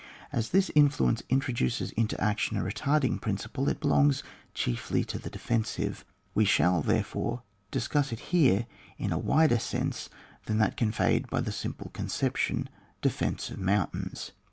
As this influence introduces into action a retarding principle, it belongs chiefly to the defensive. We shall therefore discuss it here in a wider sense than that conveyed by the simple conception, de fence of mountains.